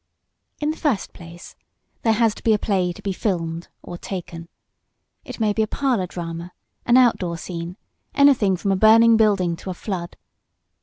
In the first place there has to be a play to be "filmed," or taken. It may be a parlor drama an outdoor scene anything from a burning building to a flood.